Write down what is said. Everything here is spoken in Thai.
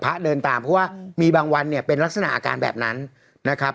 เดินตามเพราะว่ามีบางวันเนี่ยเป็นลักษณะอาการแบบนั้นนะครับ